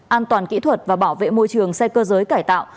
an toàn kỹ thuật và bảo vệ môi trường xe cơ giới cải tạo